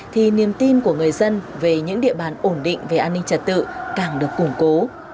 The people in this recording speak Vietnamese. thì niềm tin của người dân về những địa bàn ổn định về an ninh trật tự càng được củng cố